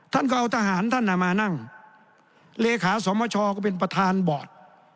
ท่านก็เอาทหารท่านมานั่งเลขาสมชก็เป็นประธานบอร์ด